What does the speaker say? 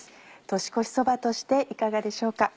年越しそばとしていかがでしょうか。